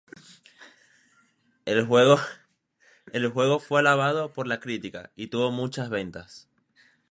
El juego fue alabado por la crítica y tuvo muchas ventas.